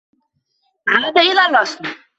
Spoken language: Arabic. عاد إلى الرّسم.